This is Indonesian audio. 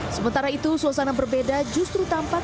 sementara itu suasana berbeda justru tampak